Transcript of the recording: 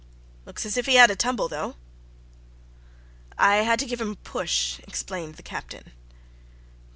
"Looks as if he had a tumble, though." "I had to give him a push," explained the Captain.